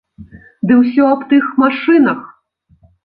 Ды ўсё аб тых машынах.